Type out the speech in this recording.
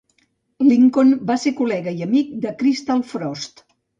Lincoln va ser col·lega i amic de Crystal Frost.